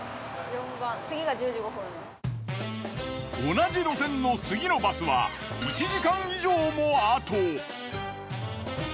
同じ路線の次のバスは１時間以上もあと。